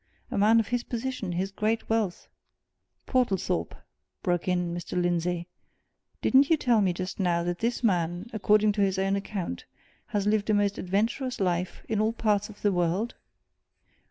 A man of his position, his great wealth " "Portlethorpe!" broke in Mr. Lindsey, "didn't you tell me just now that this man, according to his own account, has lived a most adventurous life, in all parts of the world?